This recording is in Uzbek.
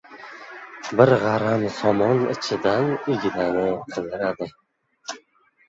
• Bir g‘aram somon ichidan ignani qidiradi.